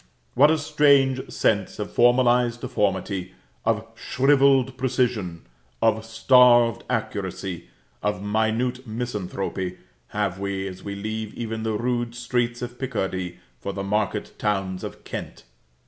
What a strange sense of formalised deformity, of shrivelled precision, of starved accuracy, of minute misanthropy have we, as we leave even the rude streets of Picardy for the market towns of Kent!